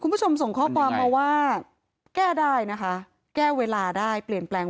คุณผู้ชมส่งข้อความมาว่าแก้ได้นะคะแก้เวลาได้เปลี่ยนแปลง